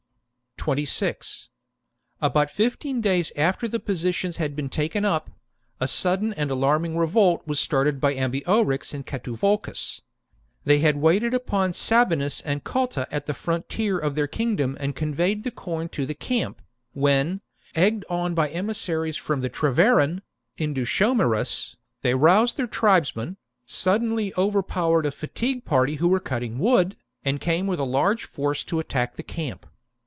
26. About fifteen days after the positions had Ambiorix been taken up; a sudden and alarming revolt was voicus, started by Ambiorix and Catuvolcus. They had Eburones, waited upon Sabinus and Cotta at the frontier abortive '^ of their kingdom and conveyed the corn to the camp[Adua. camp, when, egged on by emissaries from the Tre Sabinusand veran, Indutiomarus, they roused their tribesmen, suddenly overpowered a fatigue party who were cutting wood, and came with a large force to attack the camp.